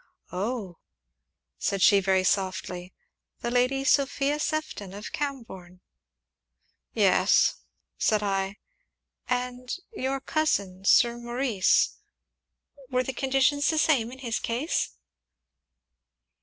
"Oh!" said she very softly, "the Lady Sophia Sefton of Cambourne?" "Yes," said I. "And your cousin Sir Maurice were the conditions the same in his case?"